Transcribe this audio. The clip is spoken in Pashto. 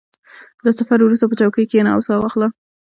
• د سفر وروسته، په چوکۍ کښېنه او سا واخله.